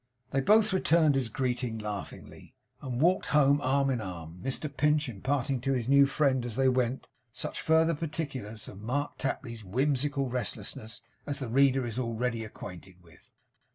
They both returned his greeting laughingly, and walked home arm in arm. Mr Pinch imparting to his new friend, as they went, such further particulars of Mark Tapley's whimsical restlessness as the reader is already acquainted with.